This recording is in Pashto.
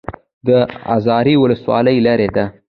د ازرې ولسوالۍ لیرې ده